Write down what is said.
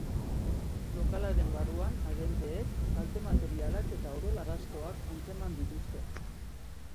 Lokalaren barruan, agenteek kalte materialak eta odol arrastoan atzeman dituzte.